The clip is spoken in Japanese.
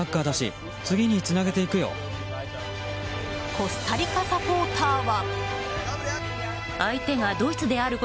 コスタリカサポーターは。